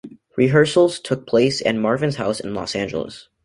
Rehearsals took place at Marvin's house in Los Angeles.